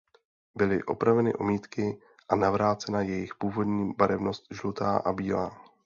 Byly opraveny omítky a navrácena jejich původní barevnost žlutá a bílá.